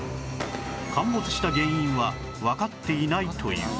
陥没した原因はわかっていないという